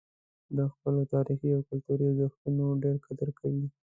د خپلو تاریخي او کلتوري ارزښتونو ډېر قدر کوي.